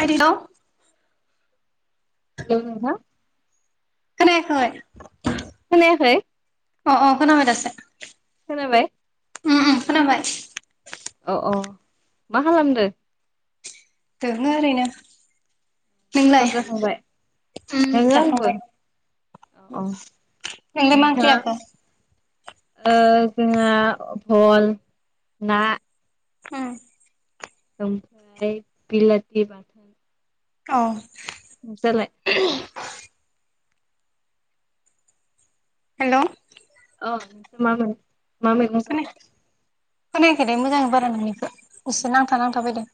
हेल' hello नोंथां खोनायाखै खोनायाखै अ अ खोनाबाय दासो खोनाबाय उम उम खोनाबाय अ अ मा खालामदो? दोङो ओरैनो नोंलाय ओंखाम जाखांबाय उम दोङो आंबो अ जाखांबाय। अ नोंलाय मा ओंख्रि नोंथाङा जाखो? ओ जोंहा फल ना हम ओमफ्राय बिलाथि बाथोन अह नोंसालाय हेल' ओ नोंसोर मा मैगं मा मैगं जाखो खोनाखै दे मोजाङै बारा नोंनिखौ एसे नांथा नांथा फैयदों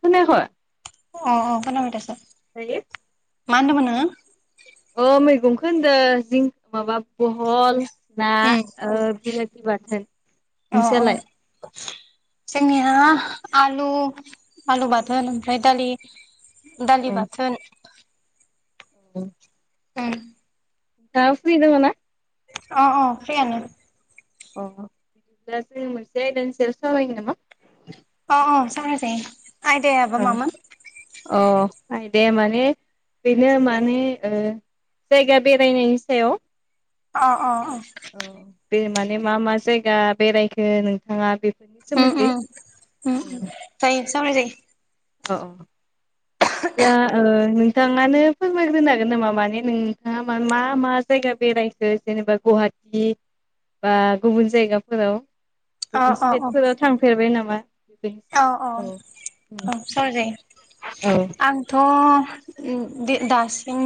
खोनायाखै? अ अ खोनाबाय दासो दायो मा होन्दोंमोन नोङो अ मैगंखौ होनदो जिं माबा बहल ना उम ओ बिला बाथोन अ अ नोंस्रालाय जोंनिया आलु आलु बाथोन ओमफ्राय दालि दालि बाथोन औ उम दा फ्रि दोङो ना? अ अ फ्रि आनो अ बिदिब्ला जों मोनसे आयदानि सावाय सावरायनि नामा? अ अ सावराय जायो। ओ अह आयदाया माने बेनो माने ओ जायगा बेरायनायनि सायाव। अ अ अ। औ बे माने मा मा जायगा बेरायखो नोंथाङा बे उम उम उम उम जायो सावराय जायो। औ दा ओ नों नोंथाङानो फोरमायग्रोनो हागोन नामा माने नोंथाङा मा मा मा जायगा बेरायखो जेनेबा गुवाहा टि बा गुबुन जायगाफोराव? औ गुबुन औ स्टेतफोराव थांफेरबाय नामा बे औ। [unintelligible] आंथ' उम दो दासिम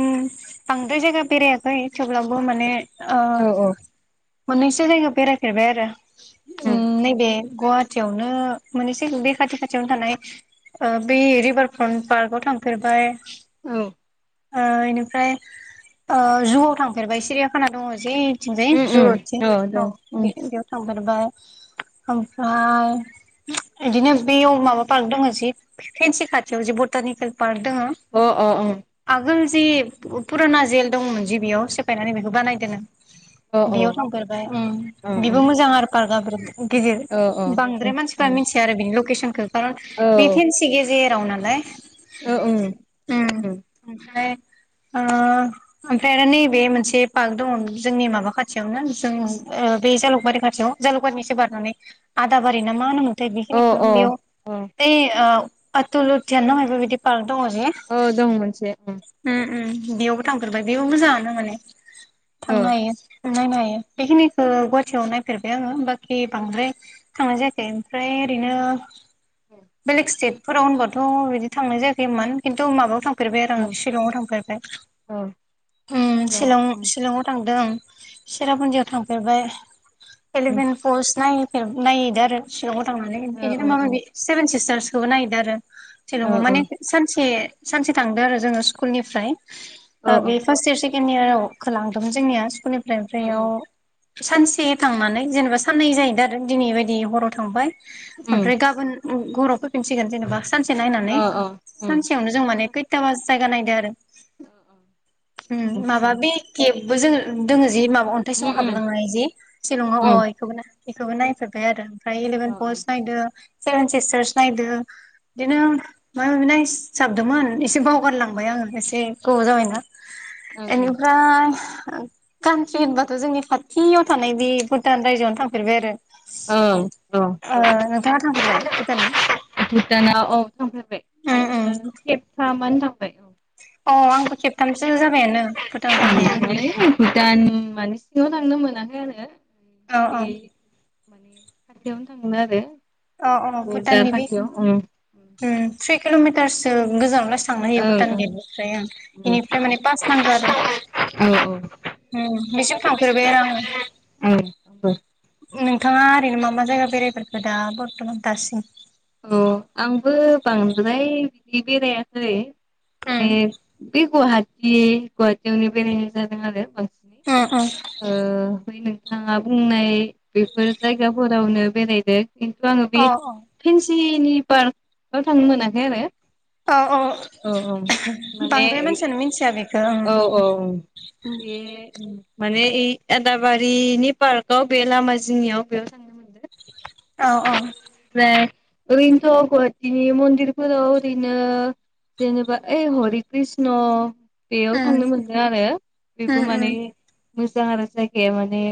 बांद्राय जायगा बेरायाखै थेवब्लाबो माने ओ औ औ मोननैसो जायगायाव बेरायफेरबाय आरो उम नैबे गुवाहाटियावनो माने थिग बे खाथि खाथियावनो थानाय बै रिभार फ्रन्ट पार्काव थांफेरबाय। औ ओ इनिफ्राय ओ जुवाव थांफेरबाय सिरिया खाना दङ जु थिंजाय उम उम जुथिं औ दं बेयाव थांफेरबाय। ओमफ्राय इदिनो बेयाव माबा पार्क दङ जि फेनसि खाथियाव जि बटानिकेल पार्क दोङो अह अह उम। आगोल जि पुराना जेल दंमोन जि बेयाव सेफायनानै बेखौ बानायदोनो [unintelligible] बेयाव थांफेरबाय उम अ बिबो मोजां आरो पार्कआ गिदिर औ आं बांद्राय औ मानसिफ्रा मिथि या आरो बिनि लकेसनखो बा बेे फेनसि गेजेराव नालाय। ओ उम उम। ओमफ्राय ओ ओमफ्राय आरो नैबे मोनसे पार्क दङ जोंनि माबा खाथियावनो जों ओ बे जालुकबारि खाथियाव जालुकबारिनि इसे बारनानै आदाबारि ना मा होनोमोन थाय औ बेखिनिखो औ बेयाव औ बे ओ आतुल उध्धियान ना मायबा बे बायदि पार्क दङ जे औ दं मोनसे उम उम बेयावबो थांफेरबाय बेयावबो मोजाङानो माने थांनो ओं हायो। नायनो हायो बेखिनिखौ गुवाहाटियाव नायफेरबाय आङो बाखि बांद्राय थांनाय जायाखै, ओमफ्राय ओरैनो औ बेलेग स्टेटफोराव होनबाथ' बिदि थांनाय जायाखैमोन खिन्थु माबायाव थांफेर दों ओं शिलंआव थांफेरबाय औ उम शिलंआव शिलं ओं शिलंआव थांदों सेरापुन्जियाव थांफेरबाय ओं एलिफेन्ट फल्स नायहैफेर नायहैदों आरो शिलंआव थांनानै। ओ बिदिनो माबा माबि ओ सेभेन सिस्टार्सखौबो नायहैदो आरो शिलंआव माने ओं सानसे सानसे थांदों आरो जोङो स्कुलनिफ्राय ओ औ बे फार्स्ट इयारस सेकेण्ड इयाराव खो लांदोंमोन जोंनिया स्कुलनिफ्राय उमफ्राय उम इयाव उम सानसे थांनानै जेनेबा साननै जाहैदों आरो दिनै बायदि हराव थांबाय उम ओमफ्राय गाबोन हराव फैफिनसिगोन जेनेबा सानसे नायना, अ नै अ उम सानसेयावनो जों माने खैथाबा जायगा नायदो आरो। उम माबा बे केेबबो जोङो दङो जि मा अन्थाइ सिंङाव हाबलांनाय जि शिलंआव अ उम इखोबो इखोबो नायजोबबाय आरो। ओमफ्राय अ इलेभेन्ट पल्स, नायदो सेभेन सिस्टारस नायदो बिदिनो माबा माबि नाय जोबदोंमोन एसे बावगारलांबाय आङो एसे गोबाव जाबायना। ओं इनिफ्राय काउन्ट्रि होनबाथ' जोंनि खाथियाव थानाय बे भुटान रायजोआवनो थांफेरबाय आरो। ओं औ ओ नोंथाङा थांफेरबाय? भुटानाव भुटानाव, औ थांफेरबाय उम आङो उम खेबथामानो थां बाय। अ आंबो खेबथामसो जाबायानो भुटानाव थांनाया [unintelligible] भुटान मानि सिङाव थांनो मोन [unintelligible] आरो औ औ बे माने खाथियावनो थाङो आरो औ बरदार खाथियाव ओम ओम थ्रि किल'मिटारसो [unintelligible] थांनो होयो भुटान गेटनिफ्राय ओम ओं बेनिफ्राय माने पास नांगौ आरो ओं औ ओम बेसिम थांफेरबाय आरो आङो औ आंबो नोंथाङा ओरैनो मा मा जायगा बेरायफोरखो दा बरथ'मान दासिम? अ आंबो बांद्राय बिदि बेरायाखै उम माने बे गुवाहाटि गुवाहाटियावनो बेरायनाय जादों आरो बां उम उम ओ बै नों थाङा बुंनाय बेफोर जायगाफोरावनो बेरायदों खिन्थु आङो बे अ अ थिनि पार्कआव थांनो मोनाखै आरो औ औ माने बांद्राय मानसियानो मिनथिया बे औ औ बे माने ए आदाबारिनि पार्कआव बे लामा जिंनियाव बेयाव थांनो मोनदों औ औ ओमफ्राय ओरैनोथ' गुवाटिनि मन्दिरफोराव ओरैनो जेनेबा ओइ हरि कृष्ण बेयाव थांनो उम मोनदों आरो उम बेबो माने उम मोजां आरो जायगाया माने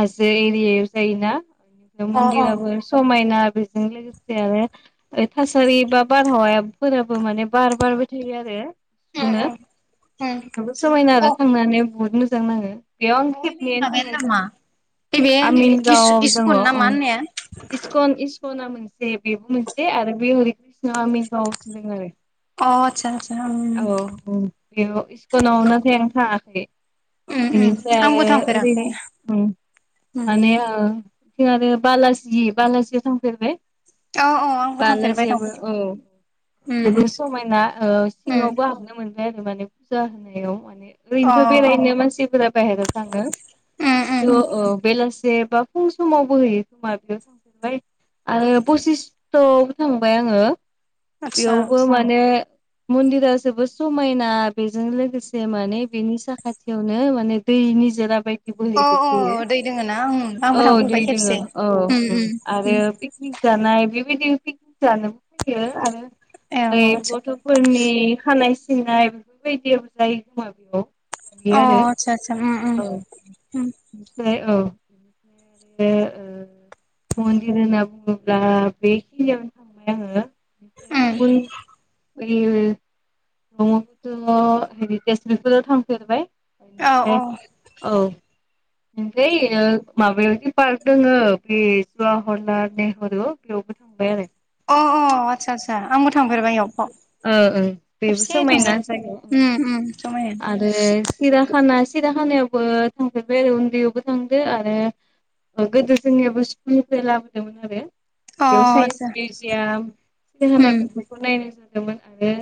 हाजो एरियायाव जायोना [inaudible] अ मन्दिराबो समायना बेजों लोगोसे आरो थासारि बा बारहावायाफोराबो माने बार बारबाय थायो आरो सुनो उम उम अ जोबोद समायना आरो थांनानै बहुद मोजां नाङो। बेयाव आं ओइ बे खेबनैयानो थांनाय माबायानो नामा जाबाय नैबे आमिनगाव दङ इस-इस्कन ना ओम। मा होननाया अ इस्कल इस सना मोनसे बेबो मोनसे आरो बे हरि कृष्ण आमिन गावथिं दङो। अ आचसा औ ओम बेयाव [unintelligible] आं थाङाखै उम उम इनिफ्राय आंबो आरो ओरैनो थांफेराखै ओम उम माने ओ थिं आरो बालाजि बालाजियाव थांफेरबाय औ आंबो थांफेरबाय दं बालाजियावबो औ उम जोबोर समायना ओ उम सिङावबो हाबनो मोनबाय आरो माने फुजा होनायाव माने अ ओरैनोथ' बेरायनो मानसिफोरा बाहेराव थाङो। उम उम थ' ओ बेलासे बा फुं समावबो होयो खोमा बेयाव [inaudible] आरो पसिस्थआव थांबाय आङो आतसा बेयावबो माने मन्दिरा जोबोद समायना बेजों लोगोसे माने बेनि साखाथियावनो माने दैनि निजोरा बाय अ दि दै दोङो ना उम [unintelligible] आंबो औ थांफेरबाय दै दोङो खेबसे औ उम ओम उम आरो उम [inaudible] जानाय बेबायदि पिक जानोबो फैयो आरो [unintelligible] फोरनि खानाय सिननाय [unintelligible] बेयो अ आरो आतसा आतसा उम उम औ उम आमफ्राय औ आरो ओ मन्दिर होनना बुङोब्ला बेखिनियावनो उम थांबाय आङो [unintelligible] बै ब्रह्मपुत्र हेरितेजफोराव थांफेरबाय औ औ बेनिफ्राय औ [unintelligible] माबायाव पार्क दोङ बे जवाहरलाल नेहरु बेयावबो थांबाय आरो अ अ आदसा आदसा आंबो थांफेरबाय एयाव ओ ओ बेबो समायना उम उम समायना जायगाया आरो सिराखाना सिराखानायावबो थांफेरबाय आरो उन्दैयावबो थांदो आरो गोदो जोंनियाबो स्कुलनिफ्राय लाबोदोंमोन आरो अ बेयाव साइन्स आतसा मिउजियाम दाहाना उम बेफोरखौ नायनाय जादोंमोन आरो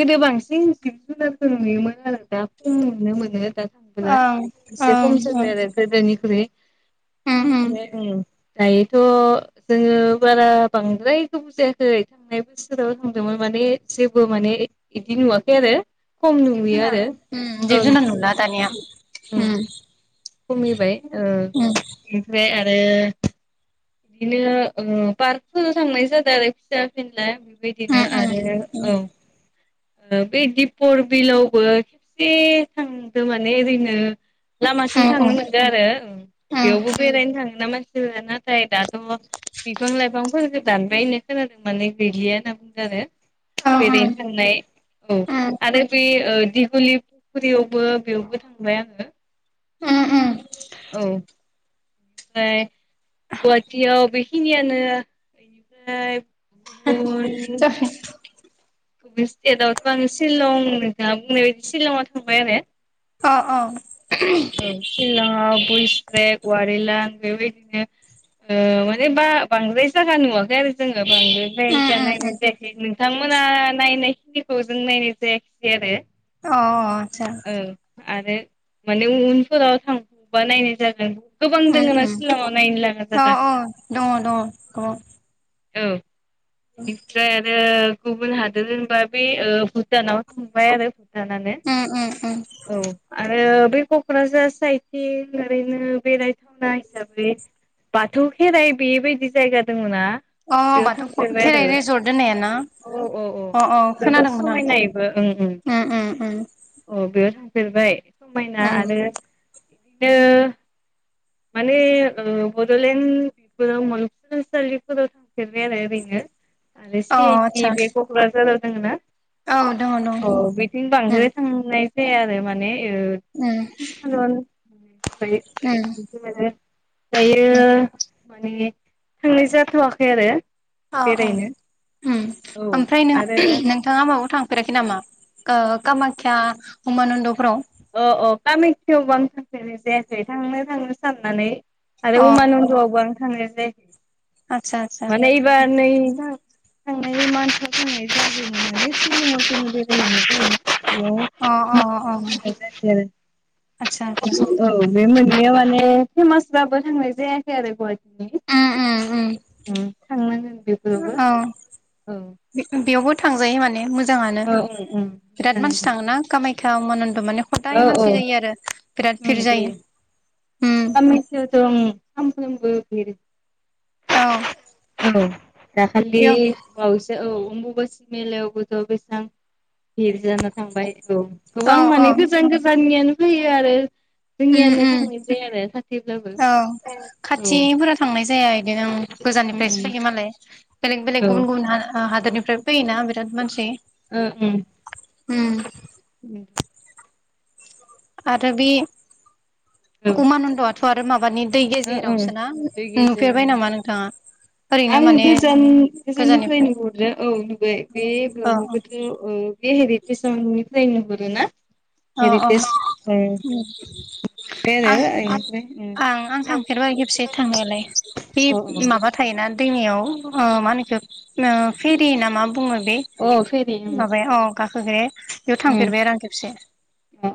गोदो बांसिन जिब जुनारफोर नुयोमोन आरो दा खम नुनो मोनो दा थाला ओं एसे ओं खम ओं जाबाय आरो गोदोनिख्रुइ उम उम बेे ओं दायोथ' जोङो बारा बांद्राय गोबाव जायाखै थांनाय बोसोराव बुंदोंमोन माने जेबो माने बिदि नुवाखै आरो खम जिब नुहैयो जुनार आरो उम ओं जिब नुला जुनार दानिया उम खमिबाय ओ उम इनिफ्राय आरो बिदिनो ओ पार्कफोराव थांनाय जादो आरो फिसा फिनला। बिदिनो उम आरो उम औ बे दिपर बिलावबो खेबसे थांदो माने ओरैनो लामाथिं उम थांनो उम मोनदो आरो उम बेयावबो बेरायनो थाङोना मानसिफोरा दाना। फ्राय दाथ' बिफां लाइफांफोरखो दानबायनो खोनादों माने गैलिया होनना बुंदों आरो औ बेरैनो उम थांनाय औ आरो बे घुलि फुखुरियावबो बेयावबो थांबाय आङो। ओ ओ औ ओमफ्राय गुवाहाटियाव बेखिनियानो [unintelligible] गुबुन [unintelligible] बे स्टेटआवथ' आङो शिलं दा बुंनाय बायदि शिलंआव थांबाय आरो अ अ औ सिलङाव बइस्रेक वारिलां बेबायदिनो ओ माने बा बांद्राय जागा नुवाखै आरो जोङो बांद्रायद्राय। गैया नायनाय अ जायाखै नोंथांमोना नायनायखिनिखौ जों नायनाय जायाखैसै आरो अ आदसा औ आरो माने उन उनफोराव थांफाबावबा नायनाय जागोन। गोबां दोङो ना सिल'ङाव नायनो लाङा औ जागा। औ दङ दङ गोबां औ बेनिफ्राय आरो गुबुन हादोर होनबा बे भुटानावनो थांबाय आरो जानानै उम उम उम औ आरो बै क'क्राझार साइदथिं ओरैनो बेरायथावना हिसाबै बाथौ खेराइ बेबायदि जायगा दङ ना? अ बाथौ खेराइ रिेजर्ट होननाया ना? औ औ औ जोबोद समायना इबो ओं ओं उम उम उम औ बेयाव थां होफेरबाय समायना उम आरो बिदिनो माने ओ बड'लेण्ड बेफोराव मुलुगसोलोंसालिफोराव थां फेरबाय आरो ओरैनो आरो अ सि आइ टि आतसा बे क'क्राझाराव दोङो ना? औ दङ दं औ बिथिं बांद्राय थांनाय दे आरो माने ओ किसिमान ओं आरो दायो माने थांनाय जाथवाखै आरो अ अ बेरायनो ओम औ ओमफ्राय नों आरो दा नोंथाङा माबायाव थां फेराखै नामा ओ कामाख्या उमानन्द। अ अ कामाख्यावबो आं थांफेरनाय जायाखै थांनो थांनो साननानै। आरो अ उमानन्दआवबो आं थांनाय जायाखै आतसा आतसा माने एबार नै थांनाय [unintelligible] अ अ अ नो आतसा आतसा औ बे मोन याव माने फेमास बाबो थांनांय जायाखै आरो गुवाहाटी ओम ओम थांनांगोन बेफोरावबो ओम अ औ जिखुन बेयावबो थांजायो माने मोजाङानो औ उम बिराद उम मानसि थाङोन कामाख्या उमानन्द माने खदाय औ औ मानसि जायो आरो बिराद भिर जायो उम सामफ्रोमबो भिर औ औ दाखालि बेयाव बावैसो औ अम्बुबासि मेलायावबोथ बेबां भिर जाना थांबाय। औ गोबां औ औ माने गोजान गोजाननियानो फाइयो आरो। उम जोंनियानो उम थांनाय जाया आरो खाथिब्लाबो औ ए औ। खाथिफोरा थांनाय जाया बिदिनो उम गोजाननिफ्रायसो उम फाइयो मालाय बेलेग बेलेग औ गुबुन गुबुन हा ओ हादोरनिफ्रायबो फैयोना बिराद मानसि ओ ओम। होम ओम आरो बे औ उमानन्दआथ आरो माबानि दै ओ ओं गेजेरावसो ना बे गेजेराव नुफेरबाय नामा नोंथाङा ओरैनो आं माने गोजान गोजाननिफ्राय गोजाननिफ्रायनो नुहरदो औ नुबाय औ बे ब्रह्मपुथ्र ओ दिहिरि कमिसन निफ्राय नुहरो ना‌। औ औ आं [unintelligible] आं आं थांफेरबाय खेबसे थांनायालाय बे ओ माबा थायोना। दैनिमाव ओ मा होनो इखो फेरि ना मा बुङो बे ओमफ्राय आरो इनिफ्राय उम अ फेरि उम माबाया अ। गाखोग्राया बेयाव उम थांफेरबाय आरो आं खेबसे अ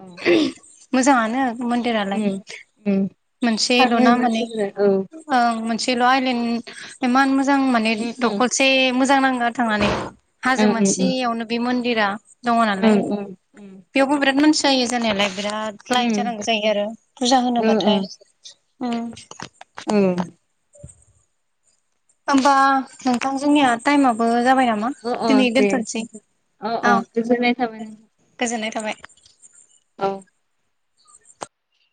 मोजाङानो। मन्दिरालाय उम उम मोनसेल थाङो ना मान्नै मानसिफोरा औ ओं मोनसे ल आइलेन इमान मोजां मोजां माने उम उम दखलसे मोजां नाङो आरो थांनानै हाजो मोनसेयावनो बे मन्दिरा दङ ओ नालाय उम उम बेयावबो बिराद मानसि जायो जानायालाय बिराद लाइन जानांगौ जायो आरो फुजा होनोबाथाय ओम। ओ होमबा नोंथां जोंनिया टाइमाबो जाबाय नामा ओ औ अ दिनै दे दोनथनोसै अ अ गोजोननाय थाबाय नोंथां गोजोननाय थाबाय औ।